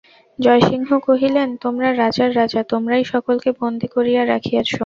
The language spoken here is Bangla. জয়সিংহ কহিলেন, তোমরা রাজার রাজা, তোমরাই সকলকে বন্দী করিয়া রাখিয়াছ।